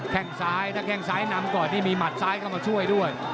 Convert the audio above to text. แค่งซ้ายถ้าแข้งซ้ายนำก่อนนี่มีหมัดซ้ายเข้ามาช่วยด้วย